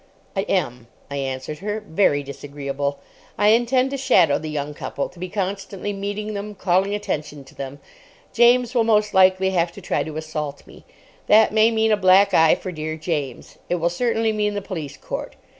"I am," I answered her. "Very disagreeable. I intend to shadow the young couple, to be constantly meeting them, calling attention to them. James will most likely have to try to assault me. That may mean a black eye for dear James. It will certainly mean the police court.